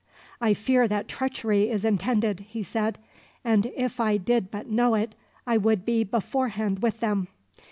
"I fear that treachery is intended," he said, "and if I did but know it, I would be beforehand with them.